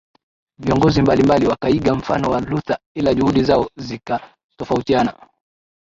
Viongozi mbalimbali wakaiga mfano wa Luther ila juhudi zao zikatofautiana